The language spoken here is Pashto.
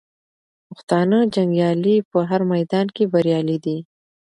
پښتانه جنګیالي په هر میدان کې بریالي دي.